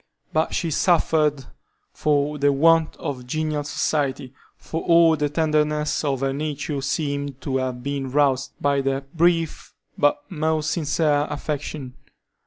But she suffered for the want of genial society, for all the tenderness of her nature seemed to have been roused by that brief but most sincere affection.